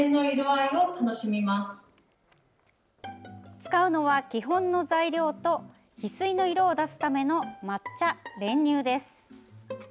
使うのは、基本の材料とヒスイの色を出すための抹茶、練乳です。